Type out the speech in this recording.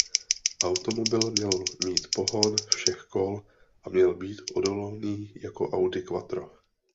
Automobil měl mít pohon všech kol a měl být odolný jako Audi Quattro.